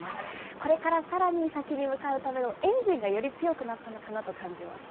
これからさらに先に向かうためのエンジンがより強くなったのかなと感じました。